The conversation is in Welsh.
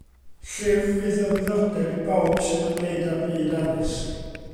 Llyfr fydd o ddiddordeb i bawb sy'n ymwneud â byd addysg.